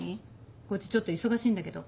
こっちちょっと忙しいんだけど。